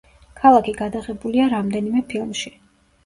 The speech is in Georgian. ქალაქი გადაღებულია რამდენიმე ფილმში.